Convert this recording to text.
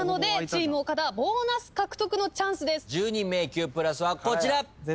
１２迷宮プラスはこちら。